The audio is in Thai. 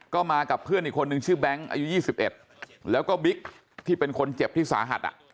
ก็มากับเพื่อนอีกคนนึงชื่อแบงค์อายุ๒๑แล้วก็บิ๊กที่เป็นคนเจ็บที่สาหัส